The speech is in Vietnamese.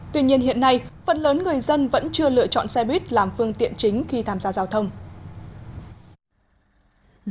tuy nhiên hiện nay phần lớn người dân vẫn chưa lựa chọn xe buýt làm phương tiện chính khi tham gia giao thông